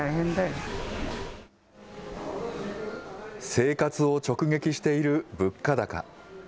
生活を直撃している物価高。